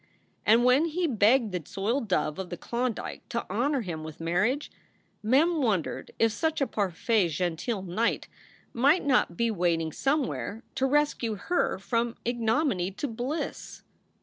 And when he begged the soiled dove of the Klondike to honor him with marriage, Mem wondered if such a parfait gentil knight might not be waiting somewhere to rescue her from ignominy to bliss.